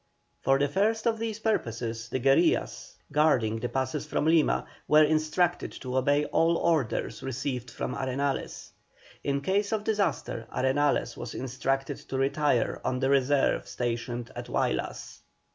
For the first of these purposes the guerillas, guarding the passes from Lima, were instructed to obey all orders received from Arenales. In case of disaster, Arenales was instructed to retire on the reserve stationed at Huaylas.